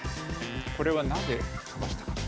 これはなぜ跳ばしたか。